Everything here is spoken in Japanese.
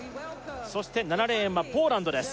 そして７レーンはポーランドです